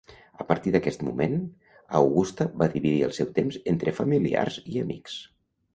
A partir d'aquest moment, Augusta va dividir el seu temps entre familiars i amics.